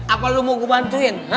apa lu mau gue bantuin